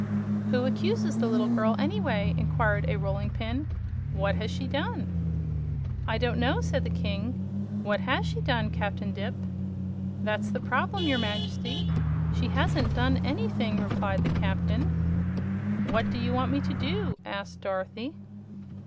"Who accuses the little girl, anyway?" inquired a rolling pin. "What has she done?" "I don't know," said the King. "What has she done, Captain Dipp?" "That's the trouble, your Majesty. She hasn't done anything," replied the Captain. "What do you want me to do?" asked Dorothy.